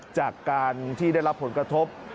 จากการที่ได้รับผลกระทบ